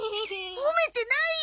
褒めてないよ！